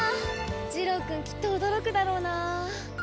ジロウくんきっと驚くだろうなあ。